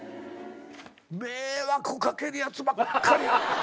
迷惑かけるやつばっかり。